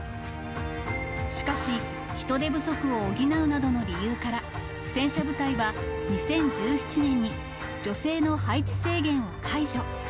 しかし、人手不足を補うなどの理由から、戦車部隊は２０１７年に女性の配置制限を解除。